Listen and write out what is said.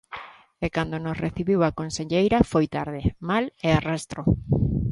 E cando nos recibiu a conselleira foi tarde, mal e arrastro.